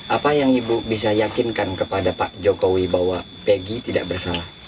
apa yang ibu bisa yakinkan kepada pak jokowi bahwa pg tidak bersalah